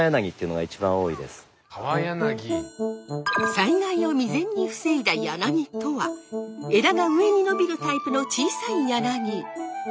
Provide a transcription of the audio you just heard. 災害を未然に防いだ柳とは枝が上に伸びるタイプの小さい柳。